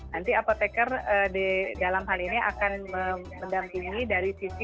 nanti apotekar dalam hal ini akan mendampingi dari sisi